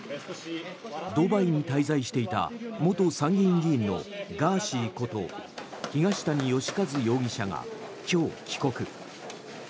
ドバイに滞在していた元参議院議員のガーシーこと東谷義和容疑者が今日、帰国。